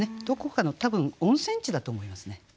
どこかの多分温泉地だと思いますね。